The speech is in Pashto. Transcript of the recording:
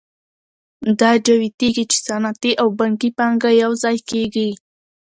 دا جوتېږي چې صنعتي او بانکي پانګه یوځای کېږي